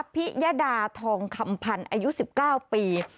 พิยดาทองคำพันธ์อายุ๑๙ปี